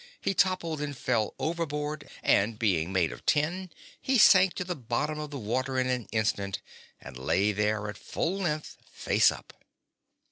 He toppled and fell overboard and being made of tin he sank to the bottom of the water in an instant and lay there at full length, face up.